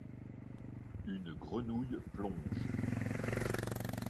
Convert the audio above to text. Une grenouille plonge.